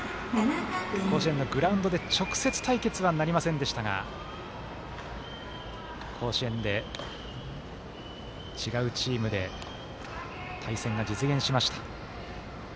甲子園のグラウンドで直接対決はなりませんでしたが甲子園で、違うチームで対戦が実現しました。